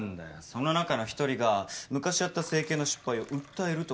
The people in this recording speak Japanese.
その中の一人が昔やった整形の失敗を訴えるとか言いだしてさ。